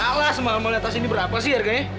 alas mahal mahalnya tas ini berapa sih harganya